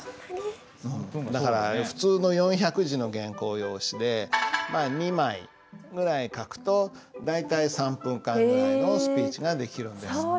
だから普通の４００字の原稿用紙でまあ２枚ぐらい書くと大体３分間ぐらいのスピーチができるんですって。